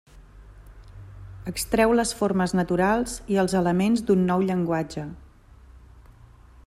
Extreu les formes naturals i els elements d'un nou llenguatge.